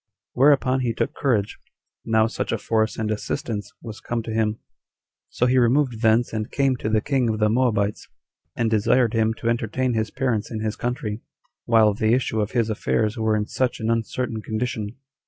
Whereupon he took courage, now such a force and assistance was come to him; so he removed thence and came to the king of the Moabites, and desired him to entertain his parents in his country, while the issue of his affairs were in such an uncertain condition.